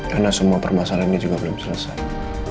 karena semua permasalahan ini juga belum selesai